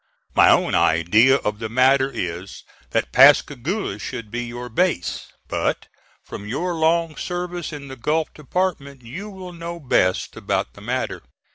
My own idea of the matter is that Pascagoula should be your base; but, from your long service in the Gulf Department, you will know best about the matter.